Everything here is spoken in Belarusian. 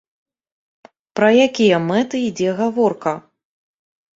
Пра якія мэты ідзе гаворка?